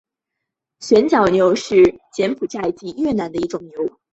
旋角牛是柬埔寨及越南的一种牛。